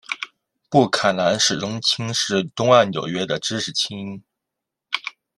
布坎南始终轻视东岸纽约的知识菁英。